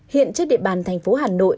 hiện trên địa bàn thành phố hà nội